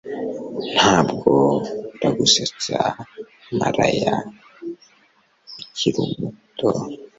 Ntabwo ndagusetsa maraya ukiri muto